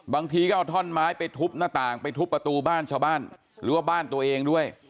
บางทีก็เอาท่อนไม้ไปทุบหน้าต่างไปทุบประตูบ้านชาวบ้านหรือว่าบ้านตัวเองด้วย